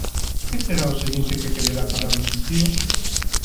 Que será o seguinte que quererá parar o xentío?